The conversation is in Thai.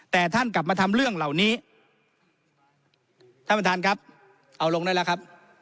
แต่ท่านกลับมาทำเรื่องเหล่านี้ท่านประธานครับเอาลงได้แล้วครับ